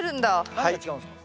何が違うんすか？